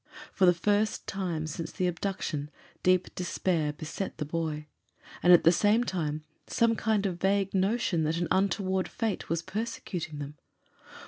For the first time since the abduction deep despair beset the boy, and at the same time some kind of vague notion that an untoward fate was persecuting them.